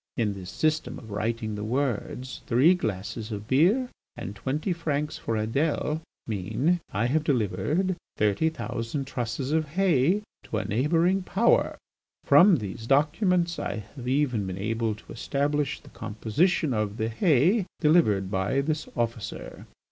In this system of writing the words 'Three glasses of beer and twenty francs for Adèle' mean 'I have delivered thirty thousand trusses of hay to a neighbouring Power.' From these documents I have even been able to establish the composition of the hay delivered by this officer.